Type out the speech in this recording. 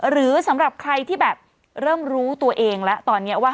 หรือสำหรับใครที่แบบเริ่มรู้ตัวเองแล้วตอนนี้ว่า